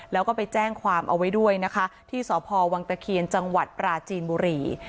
แล้วก็ไปแจ้งความเอาไว้ด้วยนะคะที่สพวังตะเคียนจังหวัดปราจีนบุรี